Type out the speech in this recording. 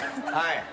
はい。